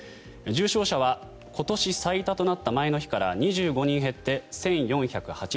重症者は今年最多となった前の日から２５人減って１４８２人。